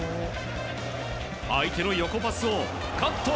相手の横パスをカット。